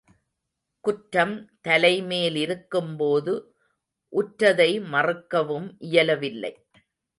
குற்றம் தலை மேலிருக்கும்போது உற்றதை மறுக்கவும் இயலவில்லை.